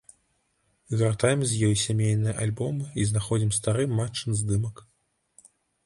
Гартаем з ёй сямейныя альбомы і знаходзім стары матчын здымак.